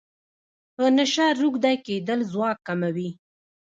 په نشه روږدی کیدل ځواک کموي.